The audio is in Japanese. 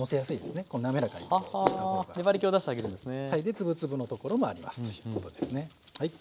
で粒々のところもありますということですねはい。